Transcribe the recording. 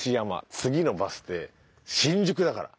次のバス停「新宿」だから。